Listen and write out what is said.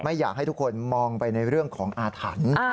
อยากให้ทุกคนมองไปในเรื่องของอาถรรพ์